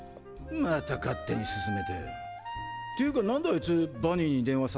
また勝手に進めてていうかなんであいつバニーに電話させてんだよ。